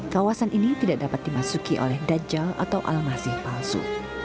kawasan ini tidak dapat dimasuki oleh dajjal atau almasih palsu